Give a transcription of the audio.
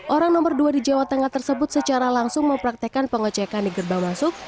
orang nomor dua di jawa tengah tersebut secara langsung mempraktekan pengecekan di gerbang masuk